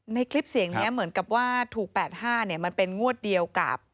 ในคลิปเสียงนี้เหมือนกับว่าถูก๘๕มันเป็นงวดเดียวกับ